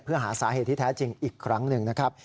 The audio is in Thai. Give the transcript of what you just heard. เพื่อหาสาเหตุที่แท้จริงอีกครั้งหนึ่งนะครับ